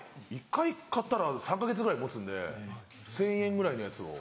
１回買ったら３か月ぐらい持つんで１０００円ぐらいのやつを。